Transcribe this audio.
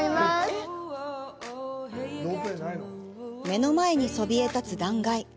目の前にそびえ立つ断崖。